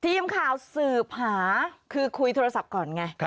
ทีมข่าวสืบหาคือคุยโทรศัพท์ก่อนไง